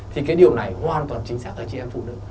thì cái điều này hoàn toàn chính xác là chị em phụ nữ